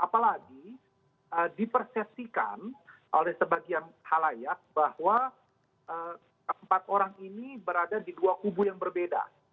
apalagi dipersepsikan oleh sebagian halayak bahwa empat orang ini berada di dua kubu yang berbeda